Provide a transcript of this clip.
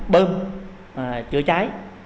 bơm chở cháy